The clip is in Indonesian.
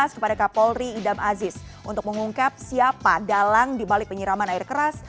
kepada kapolri idam aziz untuk mengungkap siapa dalang dibalik penyiraman air keras